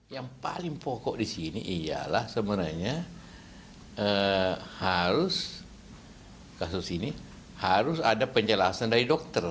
yang paling pokok di sini ialah sebenarnya harus kasus ini harus ada penjelasan dari dokter